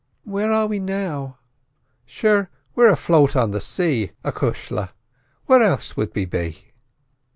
"Where are we now?" "Sure, we're afloat on the say, acushla; where else would we be?"